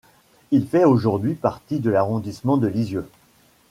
Il fait aujourd'hui partie de l'arrondissement de Lisieux.